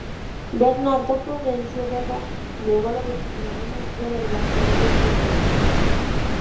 Bernardo Prudencio Berro luego lo designó ministro de Relaciones exteriores.